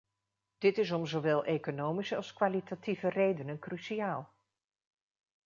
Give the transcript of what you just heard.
Dit is om zowel economische als kwalitatieve redenen cruciaal.